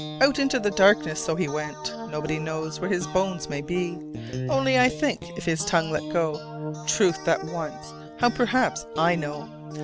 Out into darkness so went he: Nobody knows where his bones may be. Only I think if his tongue let go Truth that once, how perhaps I know.